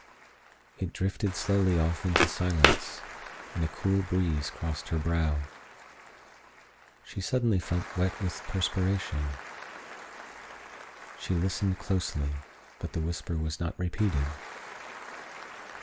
It drifted slowly off into silence, and a cool breeze crossed her brow. She suddenly felt wet with perspiration. She listened closely, but the whisper was not repeated.